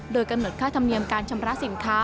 โดยกำหนดค่าธรรมเนียมการชำระสินค้า